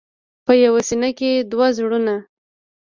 په یوه سینه کې دوه زړونه.